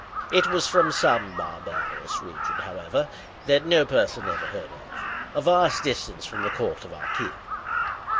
It was from some barbarous region, however, that no person ever heard of—a vast distance from the court of our king.